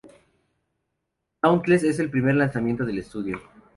Dauntless es el primer lanzamiento del estudio.